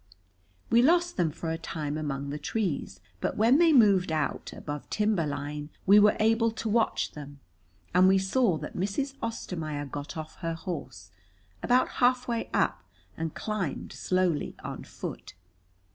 We lost them for a time among the trees, but when they moved out above timber line we were able to watch them, and we saw that Mrs. Ostermaier got off her horse, about halfway up, and climbed slowly on foot.